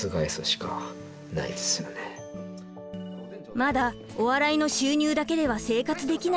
まだお笑いの収入だけでは生活できない現実。